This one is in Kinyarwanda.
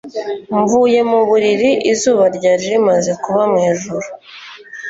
mvuye mu buriri, izuba ryari rimaze kuba mwijuru